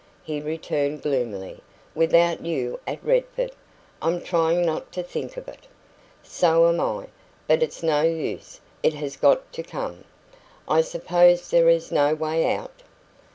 he returned gloomily. "Without you at Redford! I'm trying not to think of it." "So am I. But it's no use it has got to come." "I suppose there is no way out?"